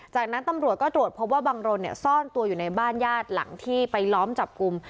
จากนั้นตำรวจก็ตรวจพบว่าบังรนซ่อนตัวอยู่ในบ้านญาติหลังที่ไปล้อมจับกลุ่ม